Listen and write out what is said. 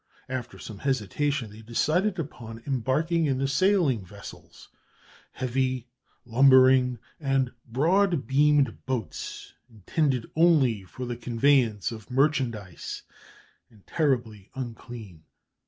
After some hesitation, they decided upon embarking in the sailing vessels, heavy, lumbering, and broad beamed boats, intended only for the conveyance of merchandise, and terribly unclean.